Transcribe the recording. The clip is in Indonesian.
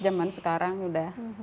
zaman sekarang sudah